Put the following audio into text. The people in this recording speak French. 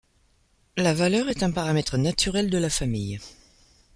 La valeur est un paramètre naturel de la famille.